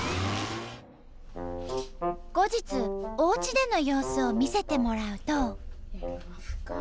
後日おうちでの様子を見せてもらうと。